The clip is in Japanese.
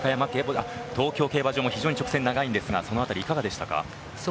東京競馬場も直線長いんですがその辺り、いかがでしたか？